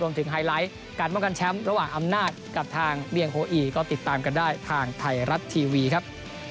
ไฮไลท์การป้องกันแชมป์ระหว่างอำนาจกับทางเบียงโฮอีก็ติดตามกันได้ทางไทยรัฐทีวีครับ